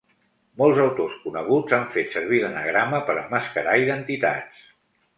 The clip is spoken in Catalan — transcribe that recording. Molts autors coneguts han fet servir l'anagrama per emmascarar identitats.